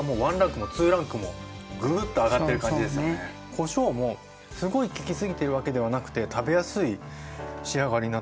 こしょうもすごい利きすぎてるわけではなくて食べやすい仕上がりになってます。